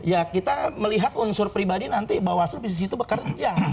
ya kita melihat unsur pribadi nanti bawah situ bekerja